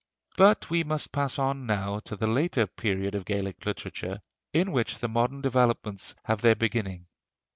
But we must pass on now to the later period of Gaelic literature, in which the modern developments have their beginning.